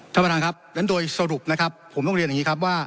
ท่านประธานครับงั้นโดยสรุปนะครับผมต้องเรียนอย่างนี้ครับว่า